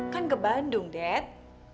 kan ke bandung dad